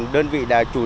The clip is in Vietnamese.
đơn vị đã chủ đề